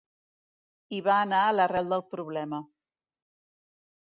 I va anar a l’arrel del problema.